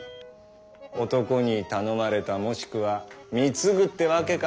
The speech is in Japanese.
男に頼まれたもしくは貢ぐってわけか。